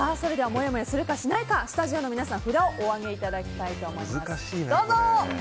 もやもやするか、しないかスタジオの皆さん札を上げていただきたいと思います。